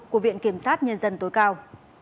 của viện kiểm soát nhân dân tối cao